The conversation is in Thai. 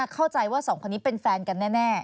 เข้าใจว่าสองคนนี้เป็นแฟนกันแน่